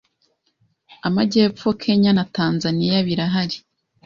Amajyepfo Kenya na Tanzaniya birahari